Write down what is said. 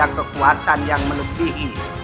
ada kekuatan yang menegihi